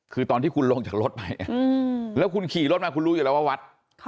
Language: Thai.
คือตอนที่คุณลงจากรถไปแล้วคุณขี่รถมาคุณรู้อยู่แล้วว่าวัด